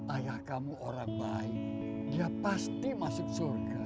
ayah kamu orang baik dia pasti masuk surga